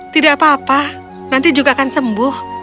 tidak apa apa nanti juga akan sembuh